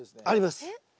あります。